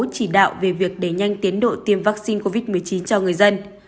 chỉ đạo về việc đẩy nhanh tiến độ tiêm vaccine covid một mươi chín cho người dân